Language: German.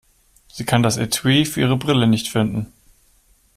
Sie kann das Etui für ihre Brille nicht finden.